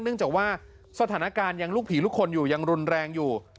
เนื่องจากว่าสถานการณ์ยังลูกผีลูกคนอยู่ยังรุนแรงอยู่